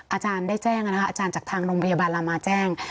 อาจารย์ได้แจ้งอาจารย์จากทางโรงพยาบาลลามาแจ้ง